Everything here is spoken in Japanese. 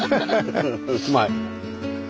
うまい。